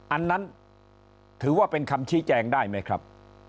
อันนั้นถือว่าเป็นคำชี้แจงได้ไหมครับ